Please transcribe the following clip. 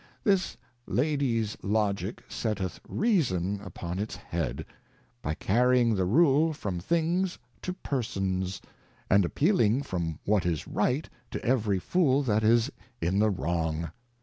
This Lady's Logick setteth Reason upon its Head, by carrying the Rule from things to Persons, and appealing from what is right to every Fool that is in the wrong.